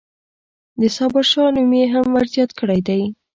د صابرشاه نوم یې هم ورزیات کړی دی.